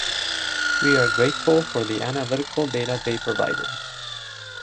We are grateful for the analytical data they provided.